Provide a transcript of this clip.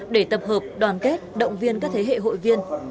để tập hợp đoàn kết động viên các thế hệ hội viên